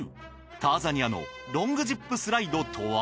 ターザニアのロングジップスライドとは？